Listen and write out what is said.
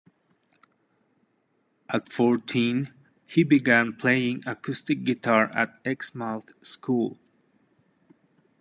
At fourteen he began playing acoustic guitar at Exmouth school.